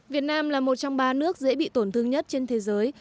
việt nam là một trong ba nước dễ bị tổn thương nhất trên thế giới